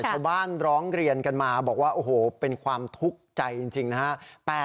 ชาวบ้านร้องเรียนกันมาบอกว่าโอ้โหเป็นความทุกข์ใจจริงนะฮะ